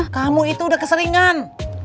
kamu itu udah keseringan